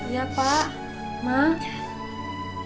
ya pak mak ada apa